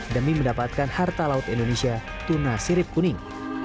demi mendapatkan harta laut indonesia tuna sirip kuning